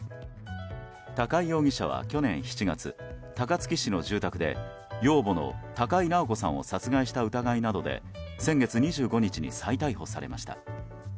高井容疑者は去年７月高槻市の住宅で養母の高井直子さんを殺害した疑いなどで先月２５日に再逮捕されました。